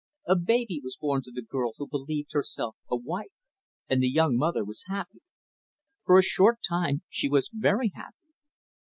A baby was born to the girl who believed herself a wife; and the young mother was happy. For a short time, she was very happy.